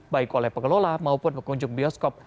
baik oleh pengelola maupun pengunjung bioskop